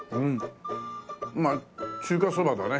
まあ中華そばだね。